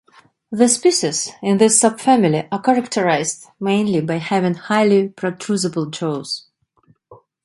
The species in this subfamily are characterised mainly by having highly protrusible jaws.